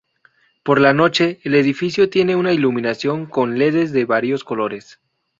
Por la noche, el edificio tiene una iluminación con ledes de varios colores.